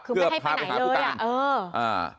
คือไม่ให้ไปไหนเลยอะ